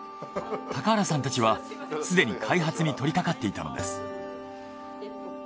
高原さんたちはすでに開発に取り掛かっていたのです。